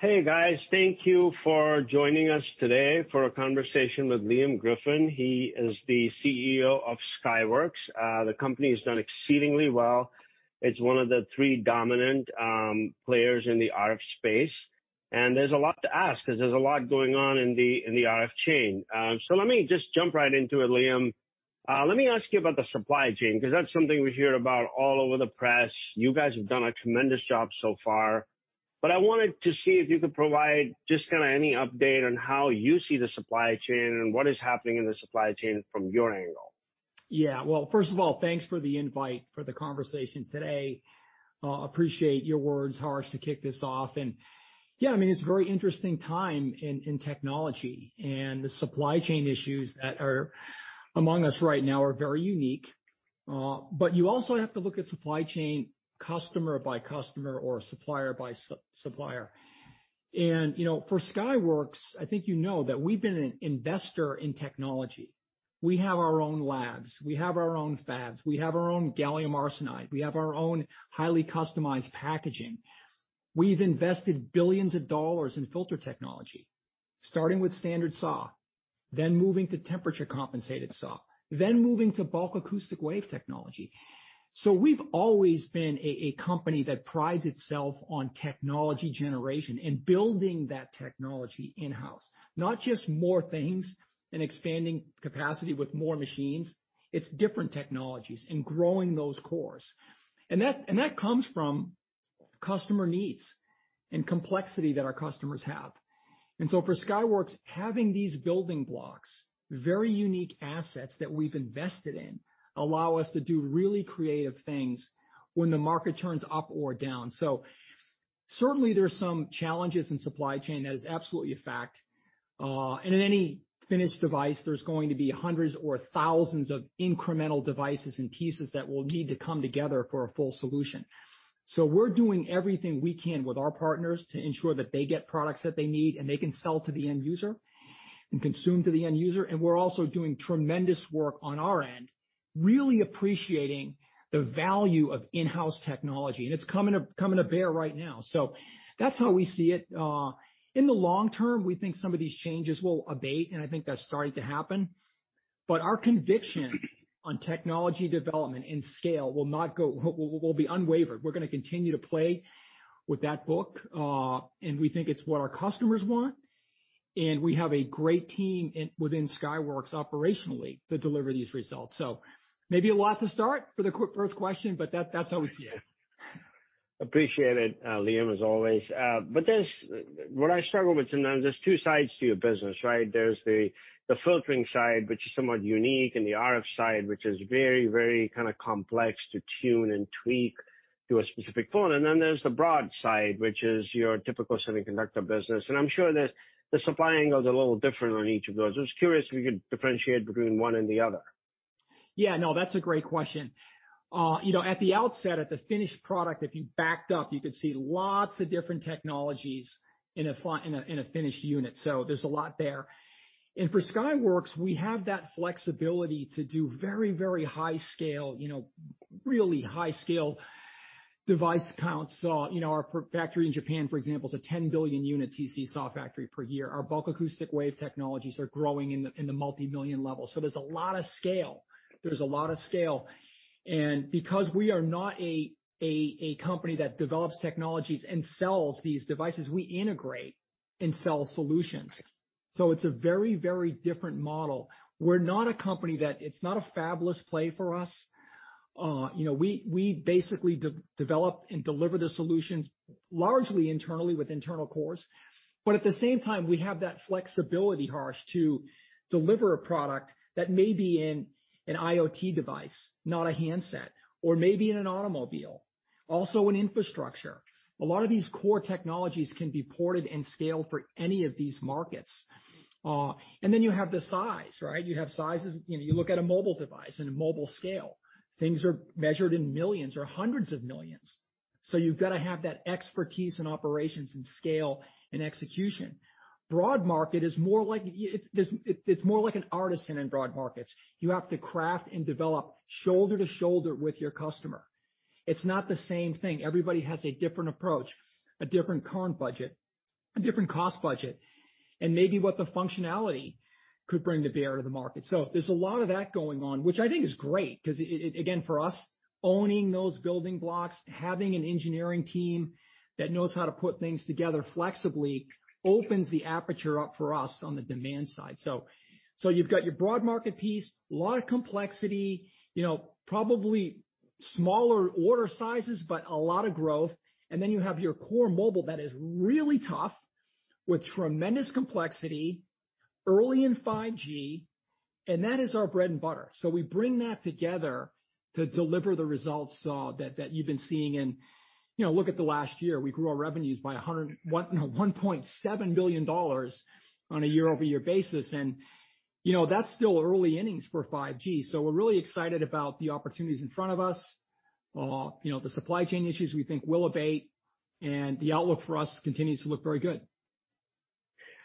Hey guys, thank you for joining us today for a conversation with Liam Griffin. He is the CEO of Skyworks. The company has done exceedingly well. It's one of the three dominant players in the RF space, and there's a lot to ask because there's a lot going on in the RF chain. Let me just jump right into it, Liam. Let me ask you about the supply chain, because that's something we hear about all over the press. You guys have done a tremendous job so far, but I wanted to see if you could provide just any update on how you see the supply chain and what is happening in the supply chain from your angle. First of all, thanks for the invite for the conversation today. Appreciate your words, Harsh, to kick this off. It's a very interesting time in technology and the supply chain issues that are among us right now are very unique. You also have to look at supply chain customer by customer or supplier by supplier. For Skyworks, I think you know that we've been an investor in technology. We have our own labs. We have our own fabs. We have our own gallium arsenide. We have our own highly customized packaging. We've invested billions of dollars in filter technology, starting with standard SAW, then moving to temperature-compensated SAW, then moving to Bulk Acoustic Wave technology. We've always been a company that prides itself on technology generation and building that technology in-house. Not just more things and expanding capacity with more machines, it's different technologies and growing those cores. That comes from customer needs and complexity that our customers have. For Skyworks, having these building blocks, very unique assets that we've invested in, allow us to do really creative things when the market turns up or down. Certainly, there's some challenges in supply chain, that is absolutely a fact. In any finished device, there's going to be hundreds or thousands of incremental devices and pieces that will need to come together for a full solution. We're doing everything we can with our partners to ensure that they get products that they need, and they can sell to the end user and consume to the end user. We're also doing tremendous work on our end, really appreciating the value of in-house technology, and it's coming to bear right now. That's how we see it. In the long term, we think some of these changes will abate, and I think that's starting to happen. Our conviction on technology development and scale will be unwavered. We're going to continue to play with that book. We think it's what our customers want, and we have a great team within Skyworks operationally to deliver these results. Maybe a lot to start for the quick first question, but that's how we see it. Appreciate it, Liam, as always. What I struggle with, there's two sides to your business, right? There's the filtering side, which is somewhat unique, and the RF side, which is very complex to tune and tweak to a specific phone. Then there's the broad side, which is your typical semiconductor business, and I'm sure the supply angle's a little different on each of those. I was curious if you could differentiate between one and the other. Yeah, no, that's a great question. At the outset, at the finished product, if you backed up, you could see lots of different technologies in a finished unit. There's a lot there. For Skyworks, we have that flexibility to do very high scale, really high scale device counts. Our factory in Japan, for example, is a 10 billion unit TC-SAW factory per year. Our Bulk Acoustic Wave technologies are growing in the multi-million level. There's a lot of scale. Because we are not a company that develops technologies and sells these devices, we integrate and sell solutions. It's a very different model. We're not a company, it's not a fabless play for us. We basically develop and deliver the solutions largely internally with internal cores. At the same time, we have that flexibility, Harsh, to deliver a product that may be in an IoT device, not a handset or maybe in an automobile, also in infrastructure. A lot of these core technologies can be ported and scaled for any of these markets. Then you have the size, right? You have sizes, you look at a mobile device and a mobile scale. Things are measured in millions or hundreds of millions. You've got to have that expertise in operations and scale and execution. Broad market, it's more like an artisan in broad markets. You have to craft and develop shoulder to shoulder with your customer. It's not the same thing. Everybody has a different approach, a different cost budget, and maybe what the functionality could bring to bear to the market. There's a lot of that going on, which I think is great because, again, for us, owning those building blocks, having an engineering team that knows how to put things together flexibly opens the aperture up for us on the demand side. You've got your broad market piece, a lot of complexity, probably smaller order sizes, but a lot of growth. Then you have your core mobile that is really tough with tremendous complexity, early in 5G, and that is our bread and butter. We bring that together to deliver the results that you've been seeing. Look at the last year, we grew our revenues by $1.7 billion on a year-over-year basis. That's still early innings for 5G. We're really excited about the opportunities in front of us. The supply chain issues we think will abate. The outlook for us continues to look very good.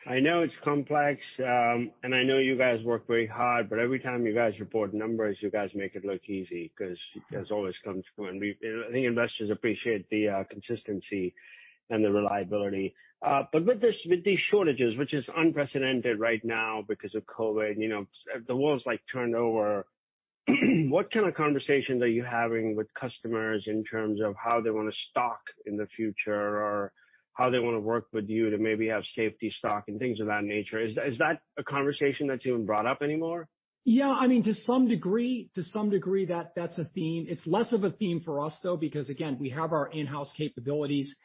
I know it's complex, and I know you guys work very hard, but every time you guys report numbers, you guys make it look easy, because it always comes through. I think investors appreciate the consistency and the reliability. With these shortages, which is unprecedented right now because of COVID, the world's turned over. What kind of conversations are you having with customers in terms of how they want to stock in the future? How they want to work with you to maybe have safety stock and things of that nature? Is that a conversation that's even brought up anymore? To some degree, that's a theme. It's less of a theme for us, though, because, again, we have our in-house capabilities,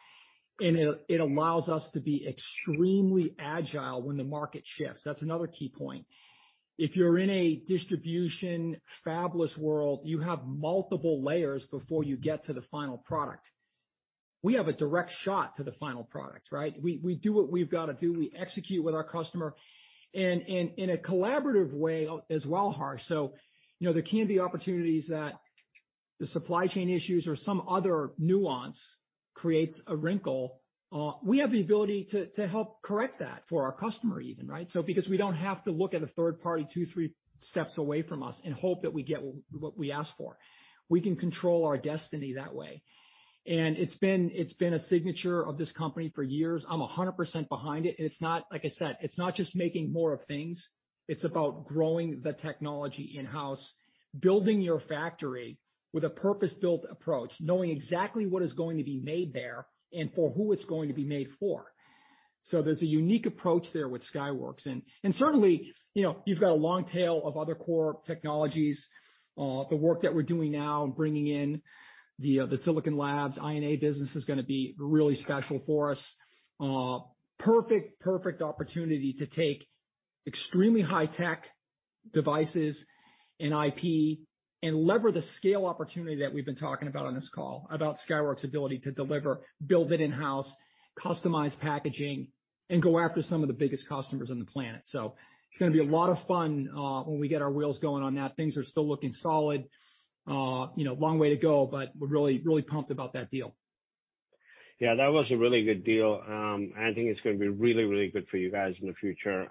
and it allows us to be extremely agile when the market shifts. That's another key point. If you're in a distribution fabless world, you have multiple layers before you get to the final product. We have a direct shot to the final product, right? We do what we've got to do. We execute with our customer in a collaborative way as well, Harsh. There can be opportunities that the supply chain issues or some other nuance creates a wrinkle. We have the ability to help correct that for our customer even, right? Because we don't have to look at a third party two, three steps away from us and hope that we get what we ask for. We can control our destiny that way. It's been a signature of this company for years. I'm 100% behind it, and it's not, like I said, it's not just making more of things. It's about growing the technology in-house, building your factory with a purpose-built approach, knowing exactly what is going to be made there and for who it's going to be made for. There's a unique approach there with Skyworks and certainly, you've got a long tail of other core technologies. The work that we're doing now, bringing in the Silicon Labs I&A business is going to be really special for us. Perfect opportunity to take extremely high-tech devices and IP and lever the scale opportunity that we've been talking about on this call, about Skyworks' ability to deliver, build it in-house, customize packaging, and go after some of the biggest customers on the planet. It's going to be a lot of fun when we get our wheels going on that. Things are still looking solid. Long way to go, but we're really pumped about that deal. Yeah, that was a really good deal. I think it's going to be really good for you guys in the future.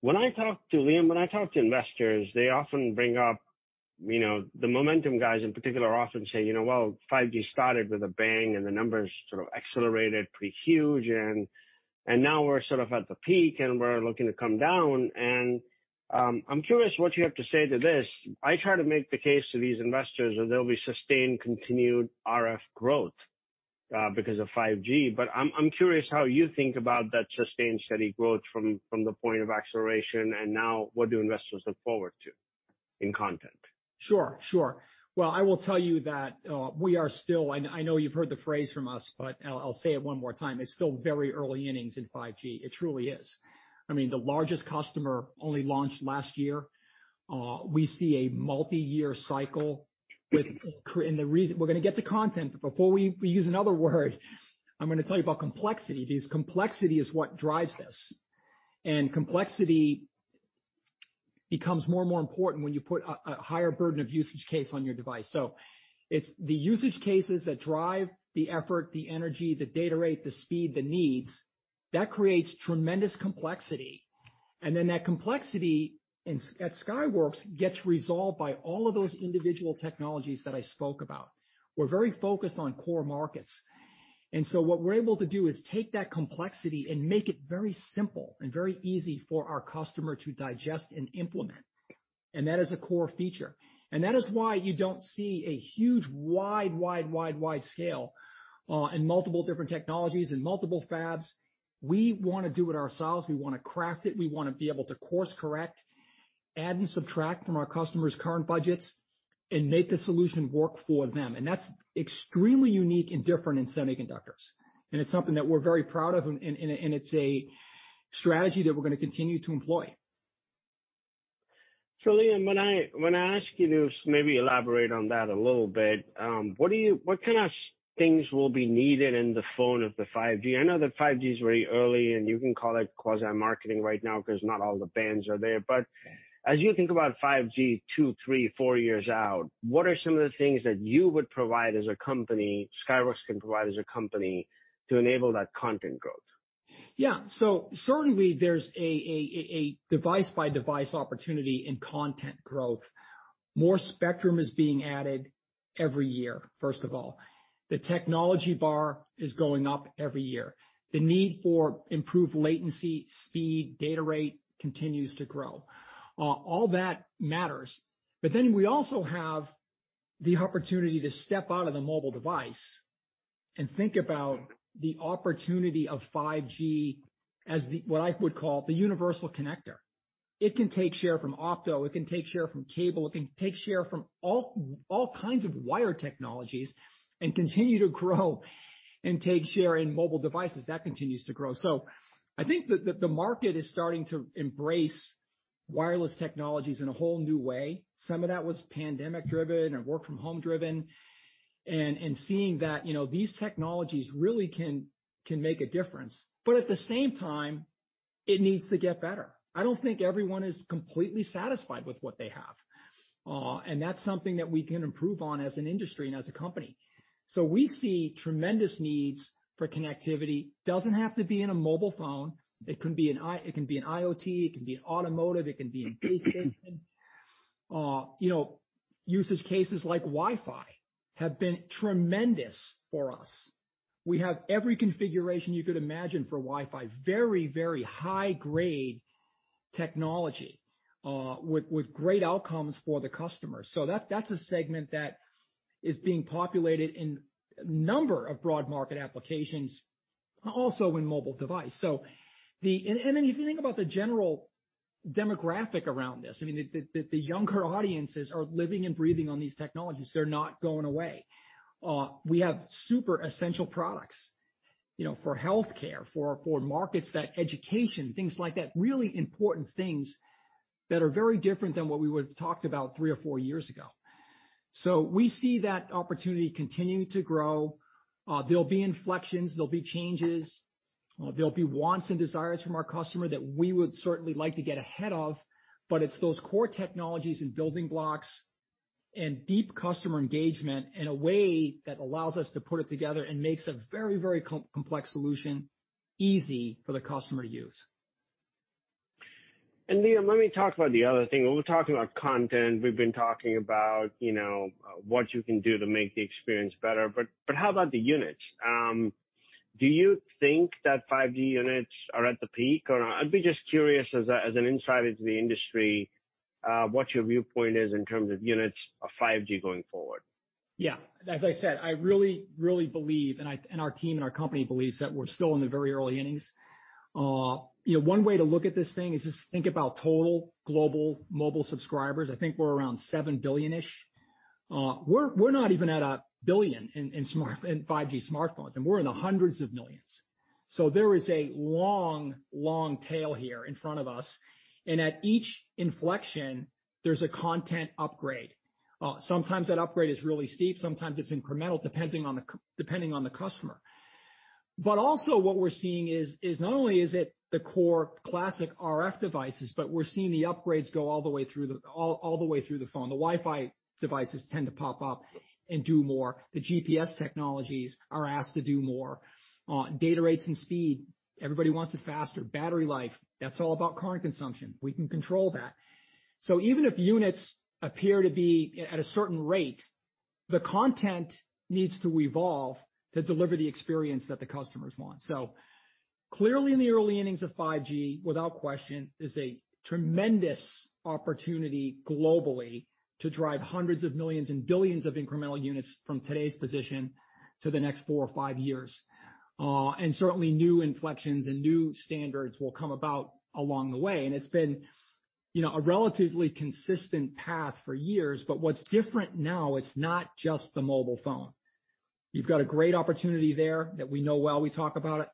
When I talk to Liam, when I talk to investors, they often bring up the momentum, guys in particular, often say, "Well, 5G started with a bang, and the numbers sort of accelerated pretty huge, and now we're sort of at the peak, and we're looking to come down." I'm curious what you have to say to this. I try to make the case to these investors that there'll be sustained, continued RF growth because of 5G. I'm curious how you think about that sustained, steady growth from the point of acceleration and now, what do investors look forward to in content? Sure. I will tell you that we are still, I know you've heard the phrase from us, but I'll say it one more time. It's still very early innings in 5G. It truly is. The largest customer only launched last year. We see a multiyear cycle and the reason, we're going to get to content, but before we use another word, I'm going to tell you about complexity, because complexity is what drives this, and complexity becomes more and more important when you put a higher burden of usage case on your device. It's the usage cases that drive the effort, the energy, the data rate, the speed, the needs. That creates tremendous complexity. That complexity at Skyworks gets resolved by all of those individual technologies that I spoke about. We're very focused on core markets, and so what we're able to do is take that complexity and make it very simple and very easy for our customer to digest and implement. That is a core feature. That is why you don't see a huge, wide scale in multiple different technologies, in multiple fabs. We want to do it ourselves. We want to craft it. We want to be able to course correct, add and subtract from our customers' current budgets and make the solution work for them. That's extremely unique and different in semiconductors. It's something that we're very proud of, and it's a strategy that we're going to continue to employ. Liam, when I ask you to maybe elaborate on that a little bit, what kind of things will be needed in the phone of the 5G? I know that 5G is very early, and you can call it quasi-marketing right now because not all the bands are there. As you think about 5G two, three, four years out, what are some of the things that you would provide as a company, Skyworks can provide as a company to enable that content growth? Yeah. Certainly, there's a device-by-device opportunity in content growth. More spectrum is being added every year, first of all. The technology bar is going up every year. The need for improved latency, speed, data rate continues to grow. All that matters. We also have the opportunity to step out of the mobile device and think about the opportunity of 5G as what I would call the universal connector. It can take share from optoelectronics, it can take share from cable, it can take share from all kinds of wired technologies and continue to grow and take share in mobile devices. That continues to grow. I think that the market is starting to embrace wireless technologies in a whole new way. Some of that was pandemic-driven or work-from-home-driven, and seeing that these technologies really can make a difference. At the same time, it needs to get better. I don't think everyone is completely satisfied with what they have. That's something that we can improve on as an industry and as a company. We see tremendous needs for connectivity. Doesn't have to be in a mobile phone. It can be in IoT, it can be in automotive, it can be in base station. Usage cases like Wi-Fi have been tremendous for us. We have every configuration you could imagine for Wi-Fi, very high-grade technology, with great outcomes for the customer. That's a segment that is being populated in a number of broad market applications, also in mobile device. Then if you think about the general demographic around this, the younger audiences are living and breathing on these technologies. They're not going away. We have super essential products for healthcare, for markets like education, things like that, really important things that are very different than what we would've talked about three or four years ago. We see that opportunity continuing to grow. There'll be inflections, there'll be changes, there'll be wants and desires from our customer that we would certainly like to get ahead of, but it's those core technologies and building blocks and deep customer engagement in a way that allows us to put it together and makes a very complex solution easy for the customer to use. Liam, let me talk about the other thing. We're talking about content. We've been talking about what you can do to make the experience better, how about the units? Do you think that 5G units are at the peak or not? I'd be just curious as an insight into the industry, what your viewpoint is in terms of units of 5G going forward. Yeah. As I said, I really believe, and our team and our company believes, that we're still in the very early innings. One way to look at this thing is just think about total global mobile subscribers. I think we're around $7 billion-ish. We're not even at $1 billion in 5G smartphones, and we're in the hundreds of millions. There is a long tail here in front of us, and at each inflection, there's a content upgrade. Sometimes that upgrade is really steep, sometimes it's incremental, depending on the customer. Also what we're seeing is not only is it the core classic RF devices, but we're seeing the upgrades go all the way through the phone. The Wi-Fi devices tend to pop up and do more. The GPS technologies are asked to do more. Data rates and speed, everybody wants it faster. Battery life, that's all about current consumption. We can control that. Even if units appear to be at a certain rate, the content needs to evolve to deliver the experience that the customers want. Clearly in the early innings of 5G, without question, is a tremendous opportunity globally to drive hundreds of millions and billions of incremental units from today's position to the next four or five years. Certainly, new inflections and new standards will come about along the way, and it's been a relatively consistent path for years. What's different now, it's not just the mobile phone. You've got a great opportunity there that we know well, we talk about it,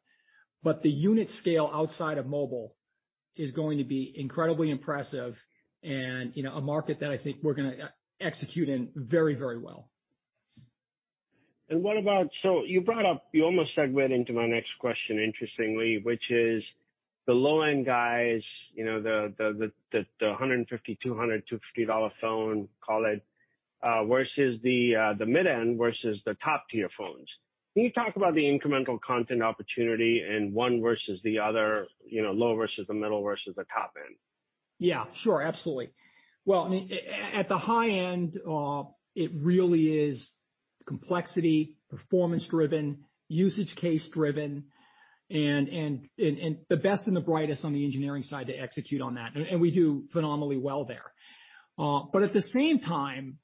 but the unit scale outside of mobile is going to be incredibly impressive and a market that I think we're going to execute in very well. What about, you brought up, you almost segued into my next question interestingly, which is the low-end guys, the $150, $200, $250 phone, call it, versus the mid-end, versus the top-tier phones. Can you talk about the incremental content opportunity in one versus the other, low versus the middle versus the top end? Yeah, sure. Absolutely. Well, at the high end, it really is complexity, performance-driven, usage case-driven and the best and the brightest on the engineering side to execute on that. We do phenomenally well there. At the same time,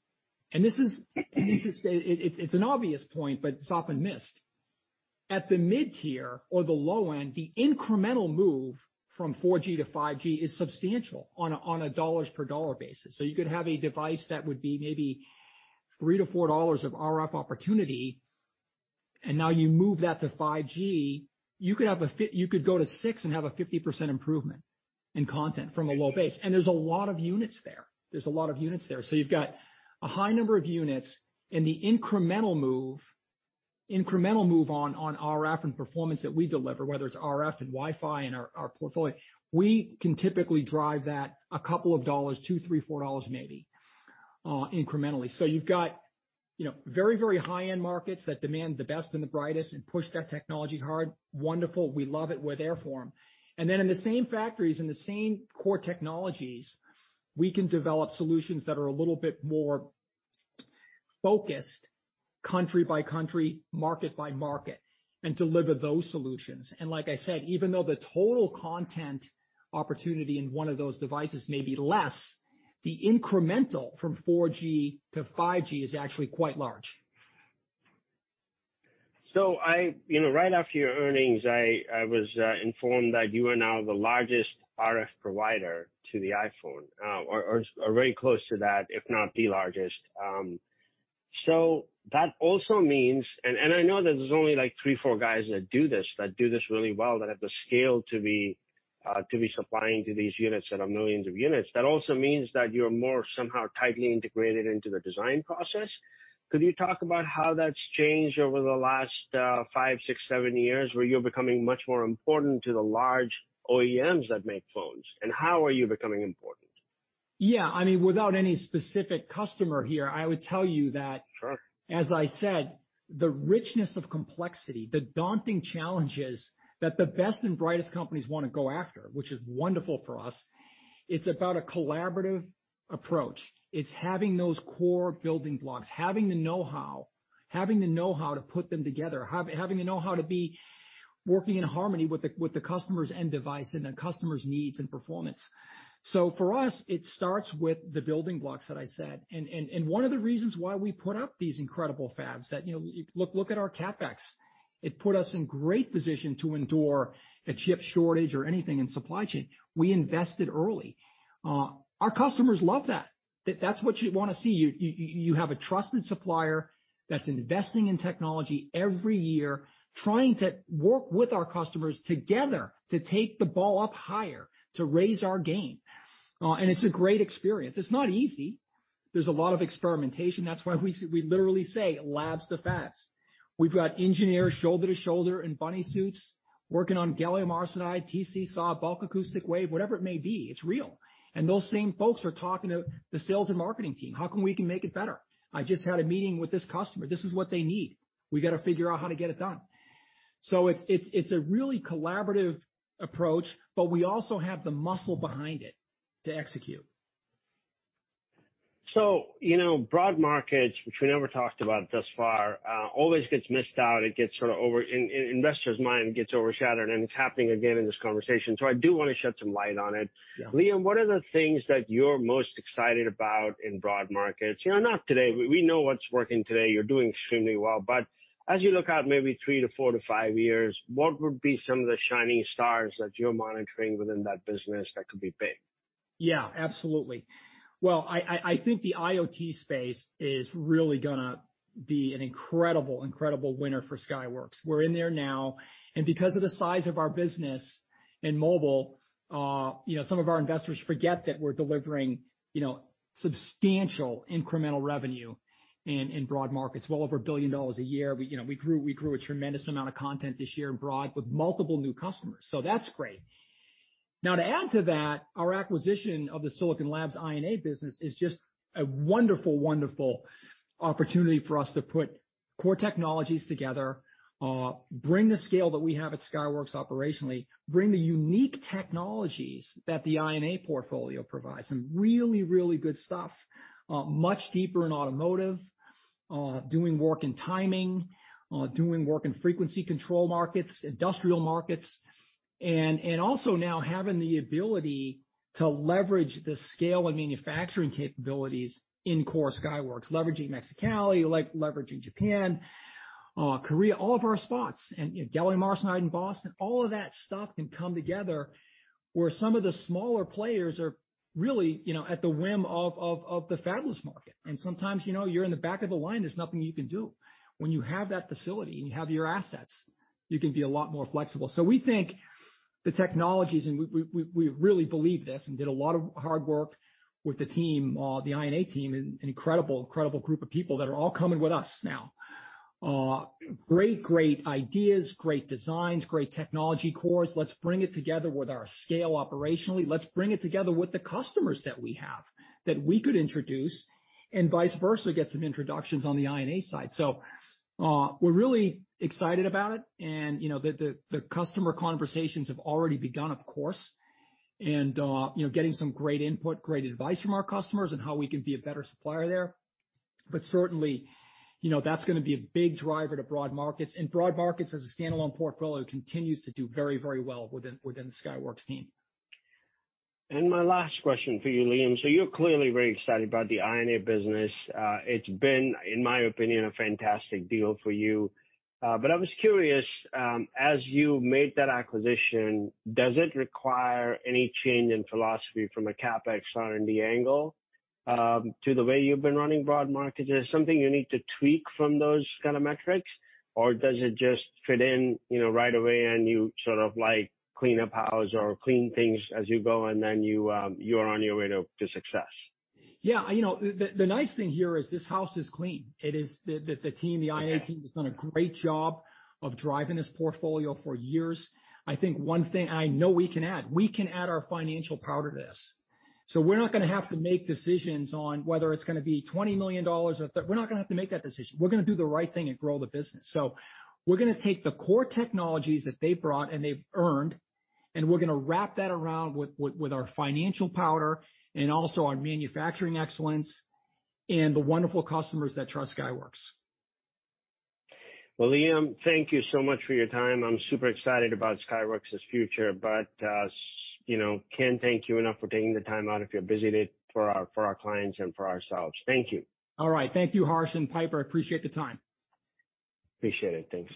and this is interesting, it's an obvious point, but it's often missed. At the mid-tier or the low end, the incremental move from 4G-5G is substantial on a dollars per dollar basis. You could have a device that would be maybe $3-$4 of RF opportunity, and now you move that to 5G. You could go to $6 and have a 50% improvement in content from a low base. There's a lot of units there. You've got a high number of units, and the incremental move on RF and performance that we deliver, whether it's RF and Wi-Fi in our portfolio, we can typically drive that a couple of dollars, $2, $3, $4 maybe, incrementally. You've got very high-end markets that demand the best and the brightest and push that technology hard. Wonderful. We love it. We're there for them. Then in the same factories, in the same core technologies, we can develop solutions that are a little bit more focused country by country, market by market, and deliver those solutions. Like I said, even though the total content opportunity in one of those devices may be less, the incremental from 4G-5G is actually quite large. Right after your earnings, I was informed that you are now the largest RF provider to the iPhone or very close to that, if not the largest. That also means, and I know that there's only like three, four guys that do this really well, that have the scale to be supplying to these units that are millions of units. That also means that you're more somehow tightly integrated into the design process. Could you talk about how that's changed over the last five, six, seven years, where you're becoming much more important to the large OEMs that make phones, and how are you becoming important? Yeah. Without any specific customer here, I would tell you that. Sure. As I said, the richness of complexity, the daunting challenges that the best and brightest companies want to go after, which is wonderful for us. It's about a collaborative approach. It's having those core building blocks, having the know-how, having the know-how to put them together, having the know-how to be working in harmony with the customer's end device and the customer's needs and performance. For us, it starts with the building blocks that I said. One of the reasons why we put up these incredible fabs that, look at our CapEx. It put us in great position to endure a chip shortage or anything in supply chain. We invested early. Our customers love that. That's what you want to see. You have a trusted supplier that's investing in technology every year, trying to work with our customers together to take the ball up higher, to raise our game. It's a great experience. It's not easy. There's a lot of experimentation. That's why we literally say "labs to fabs." We've got engineers shoulder to shoulder in bunny suits working on gallium arsenide, TC-SAW, Bulk Acoustic Wave, whatever it may be. It's real. Those same folks are talking to the sales and marketing team, "How can we make it better? I just had a meeting with this customer. This is what they need. We got to figure out how to get it done." It's a really collaborative approach, but we also have the muscle behind it to execute. Broad markets, which we never talked about thus far, always gets missed out. It gets sort of over, in investors' mind, gets overshadowed, and it's happening again in this conversation, so I do want to shed some light on it. Yeah. Liam, what are the things that you're most excited about in broad markets? Not today. We know what's working today. You're doing extremely well. As you look out maybe three, four to five years, what would be some of the shining stars that you're monitoring within that business that could be big? Yeah, absolutely. Well, I think the IoT space is really going to be an incredible winner for Skyworks. We're in there now. Because of the size of our business in mobile, some of our investors forget that we're delivering substantial incremental revenue in broad markets. Well over $1 billion a year. We grew a tremendous amount of content this year in broad with multiple new customers. That's great. To add to that, our acquisition of the Silicon Labs I&A business is just a wonderful opportunity for us to put core technologies together, bring the scale that we have at Skyworks operationally, bring the unique technologies that the I&A portfolio provides. Some really good stuff. Much deeper in automotive, doing work in timing, doing work in frequency control markets, industrial markets, and also now having the ability to leverage the scale and manufacturing capabilities in core Skyworks, leveraging Mexicali, like leveraging Japan, Korea, all of our spots, and gallium arsenide in Boston. All of that stuff can come together where some of the smaller players are really at the whim of the fabless market. Sometimes, you're in the back of the line, there's nothing you can do. When you have that facility and you have your assets, you can be a lot more flexible. We think the technologies, and we really believe this, and we did a lot of hard work with the team, the I&A team, an incredible group of people that are all coming with us now. Great ideas, great designs, great technology cores, let's bring it together with our scale operationally. Let's bring it together with the customers that we have, that we could introduce, and vice versa, get some introductions on the I&A side. We're really excited about it, and the customer conversations have already begun, of course. Getting some great input, great advice from our customers on how we can be a better supplier there. Certainly, that's going to be a big driver to broad markets. Broad markets as a standalone portfolio continues to do very well within the Skyworks team. My last question for you, Liam? You're clearly very excited about the I&A business. It's been, in my opinion, a fantastic deal for you. I was curious, as you made that acquisition, does it require any change in philosophy from a CapEx R&D angle to the way you've been running broad markets? Is there something you need to tweak from those kind of metrics, or does it just fit in right away and you sort of clean up house or clean things as you go, and then you are on your way to success? Yeah. The nice thing here is this house is clean. The I&A team has done a great job of driving this portfolio for years. I think one thing I know we can add, we can add our financial power to this. We're not going to have to make decisions on whether it's going to be $20 million or we're not going to have to make that decision. We're going to do the right thing and grow the business. We're going to take the core technologies that they've brought and they've earned, and we're going to wrap that around with our financial power and also our manufacturing excellence and the wonderful customers that trust Skyworks. Well, Liam, thank you so much for your time. I'm super excited about Skyworks' future. Can't thank you enough for taking the time out of your busy day for our clients and for ourselves. Thank you. All right. Thank you, Harsh and Piper Sandler. I appreciate the time. Appreciate it. Thanks.